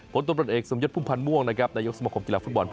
ผลตำรวจเอกสมยศพุ่มพันธ์ม่วงนะครับนายกสมคมกีฬาฟุตบอล